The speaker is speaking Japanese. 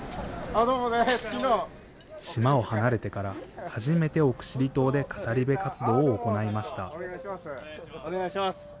島を離れてから初めて奥尻島で語り部活動を行いました。